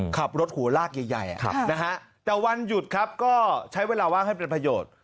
ขับรถหัวลากใหญ่นะฮะแต่วันหยุดครับก็ใช้เวลาว่างให้เป็นประโยชน์